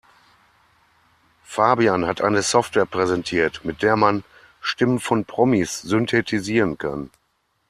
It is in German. Fabian hat eine Software präsentiert, mit der man Stimmen von Promis synthetisieren kann.